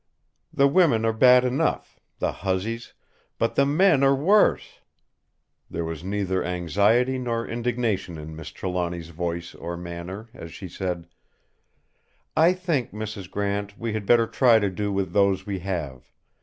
The women are bad enough, the huzzies; but the men are worse!" There was neither anxiety nor indignation in Miss Trelawny's voice or manner as she said: "I think, Mrs. Grant, we had better try to do with those we have.